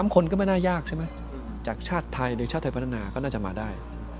คนก็ไม่น่ายากใช่ไหมจากชาติไทยหรือชาติไทยพัฒนาก็น่าจะมาได้